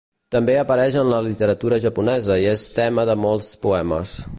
També apareix en la literatura japonesa i és tema de molts poemes.